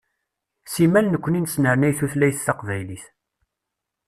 Simmal nekni nesnernay tutlayt taqbaylit.